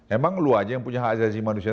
emang lu aja yang punya hak jazi manusia